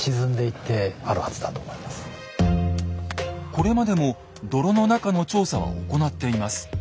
これまでも泥の中の調査は行っています。